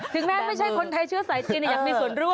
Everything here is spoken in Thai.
แม้ไม่ใช่คนไทยเชื้อสายจีนอยากมีส่วนร่วม